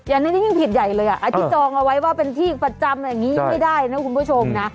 อันนี้ยิ่งผิดใหญ่เลยอ่ะที่จองเอาไว้ว่าเป็นที่ประจำอย่างนี้ไม่ได้นะคุณผู้ชมนะ